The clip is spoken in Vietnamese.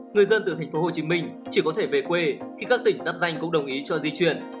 người dân từ tp hcm chỉ có thể về quê khi các tỉnh giáp danh cũng đồng ý cho di chuyển